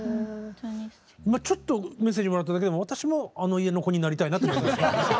今ちょっとメッセージもらっただけでも私もあの家の子になりたいなと思いました。